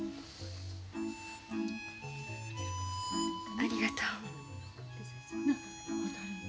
ありがとう。